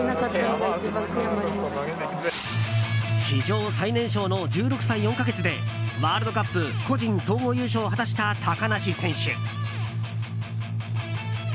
史上最年少の１６歳４か月でワールドカップ個人総合優勝を果たした高梨選手。